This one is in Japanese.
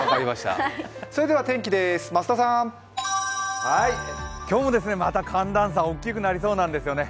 それでは、天気です、増田さん。今日もまた寒暖差、大きくなりそうなんですよね。